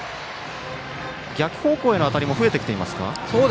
逆方向への当たりも増えてきていますか。